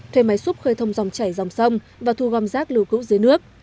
thuê máy xúc khơi thông dòng chảy dòng sông và thu gom rác lưu cữu dưới nước